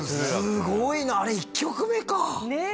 すごいなあれ１曲目かねえ